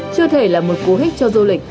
chưa thể là một cú hích cho du lịch